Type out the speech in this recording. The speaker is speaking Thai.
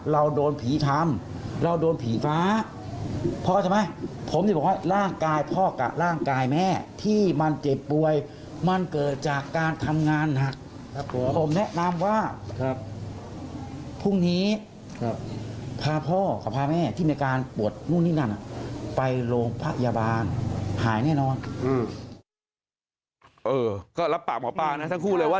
เออก็รับปากหมอป่าสั้นครู่เลยว่า